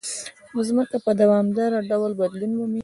مځکه په دوامداره ډول بدلون مومي.